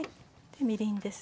みりんです。